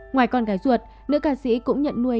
ngoài con gái ruột nữ ca sĩ cũng nhận nuôi